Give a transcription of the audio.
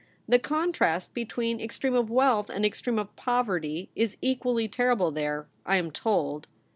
^ The contrast between extreme of wealth and extreme of poverty is equally terrible there, I am told.'